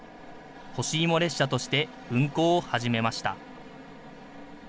ほしいも列車として運行を始めました。